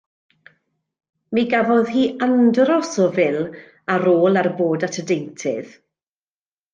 Mi gafodd hi andros o fil ar ôl ar bod at y deintydd.